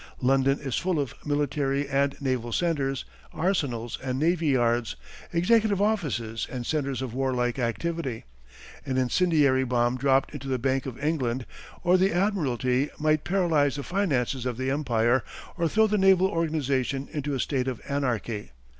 London is full of military and naval centres, arsenals and navy yards, executive offices and centres of warlike activity. An incendiary bomb dropped into the Bank of England, or the Admiralty, might paralyze the finances of the Empire, or throw the naval organization into a state of anarchy.